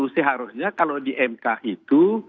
seharusnya kalau di mk itu